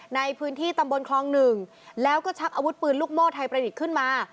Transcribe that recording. ในพื้นที่ตำบลคลองหนึ่งแล้วก็ชักอาวุธปืนลูกโม่ไทยประดิษฐ์ขึ้นมา